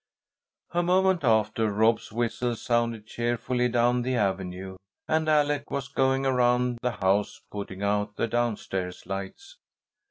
A moment after, Rob's whistle sounded cheerfully down the avenue and Alec was going around the house, putting out the down stairs lights.